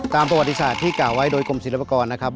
ตามประวัติศาสตร์ที่กล่าวไว้โดยกรมศิลปากรนะครับ